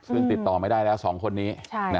ซึ่งติดต่อไม่ได้แล้ว๒คนนี้